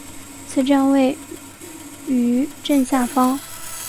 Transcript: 此站位于正下方。